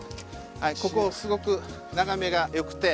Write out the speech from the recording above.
はいここすごく眺めが良くて。